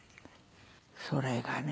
それがね